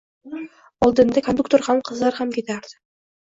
Oldinda konduktor ham, qizlar ham ketardi.